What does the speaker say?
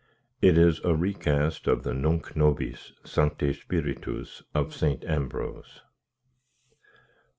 ) It is a recast of the Nunc nobis, Sancte Spiritus of St. Ambrose.